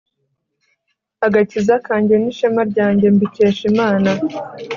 agakiza kanjye n'ishema ryanjye mbikesha imana